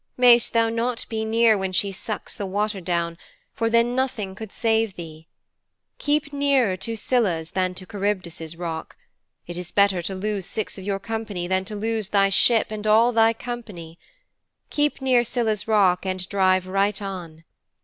Mayst thou not be near when she sucks the water down, for then nothing could save thee. Keep nearer to Scylla's than to Charybdis's rock. It is better to lose six of your company than to lose thy ship and all thy company. Keep near Scylla's rock and drive right on."'